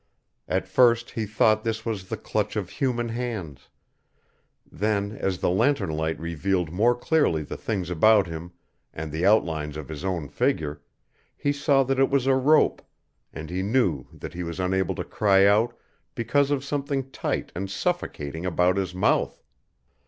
At first he thought this was the clutch of human hands; then as the lantern light revealed more clearly the things about him and the outlines of his own figure, he saw that it was a rope, and he knew that he was unable to cry out because of something tight and suffocating about his mouth.